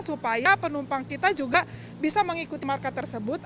supaya penumpang kita juga bisa mengikuti market tersebut